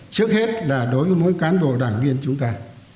trước hết là đối với mỗi cán bộ đảng viên chúng ta